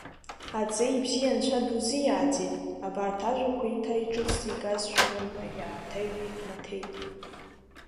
Аҵеи бзиа анцәа дузиааӡааит, абарҭ ажәақәа еиҭа иҿыцӡа игазшәа илымҳа иааҭаҩит Маҭеи.